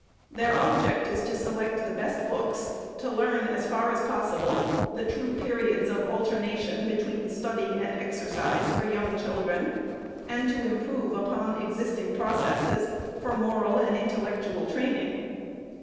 Their object is to select the best books, to learn, as far as possible, the true periods of alter nation between study and exercise for young children, and to improve upon existing processes for moral and intellectual training.